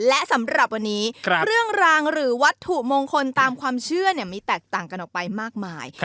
และสำหรับวันนี้เครื่องรางหรือวัตถุมงคลตามความเชื่อมีแตกต่างกันออกไปมากมาย